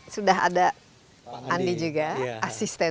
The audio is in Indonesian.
sudah ada andi juga asisten